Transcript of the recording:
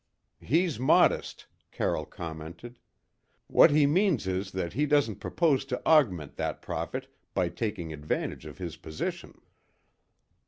"He's modest," Carroll commented. "What he means is that he doesn't propose to augment that profit by taking advantage of his position."